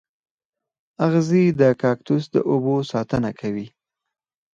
اغزي د کاکتوس د اوبو ساتنه کوي